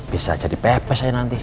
bisa jadi pepe saya nanti